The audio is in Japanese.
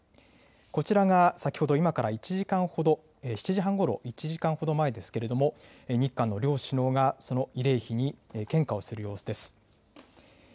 こちらが先ほど、今から１時間ほど、７時半ごろ、１時間ほど前ですけれども、日韓の両首脳が、その慰霊碑に献花をする様子です。